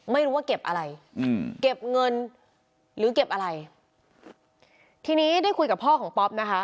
ไม่รู้ว่าเก็บอะไรอืมเก็บเงินหรือเก็บอะไรทีนี้ได้คุยกับพ่อของป๊อปนะคะ